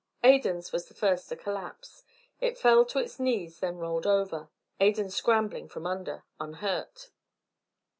Adan's was the first to collapse; it fell to its knees, then rolled over, Adan scrambling from under, unhurt.